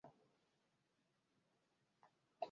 او ویلای شو،